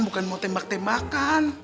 bukan mau tembak tembakan